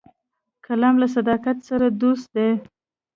قلم له صداقت سره دوست دی